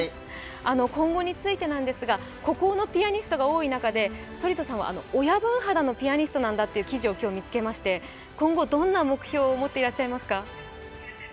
今後についてですが孤高のピアニストが多い中で反田さんは親分肌のピアニストなんだという記事を今日見つけまして今後、どんな目標を持ってらっしゃいますか？